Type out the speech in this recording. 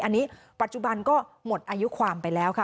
อันนี้ปัจจุบันก็หมดอายุความไปแล้วค่ะ